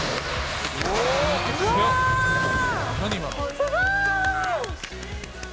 すごーい。